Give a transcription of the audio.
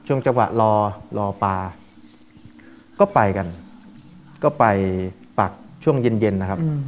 จังหวะรอรอปลาก็ไปกันก็ไปปักช่วงเย็นเย็นนะครับ